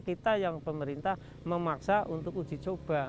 kita yang pemerintah memaksa untuk uji coba